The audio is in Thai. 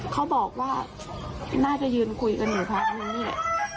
เขาบอกว่าน่าจะยืนคุยกันอยู่พักนึงนี่แหละ